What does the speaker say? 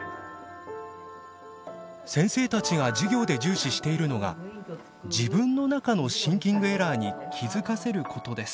先生たちが授業で重視しているのが自分の中のシンキングエラーに気付かせることです。